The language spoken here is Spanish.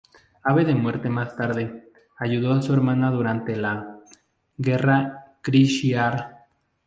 Ave de Muerte más tarde, ayudó a su hermana durante la "Guerra Kree-Shi'ar".